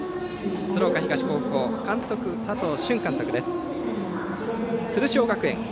鶴岡東高校の佐藤俊監督です。